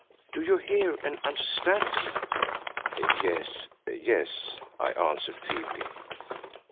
Do you hear and understand me?" "Yes, yes," I answered feebly.